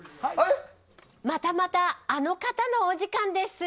またまた、あの方のお時間です。